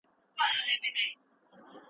رغېدنه د تمرین دوام ته اهمیت لري.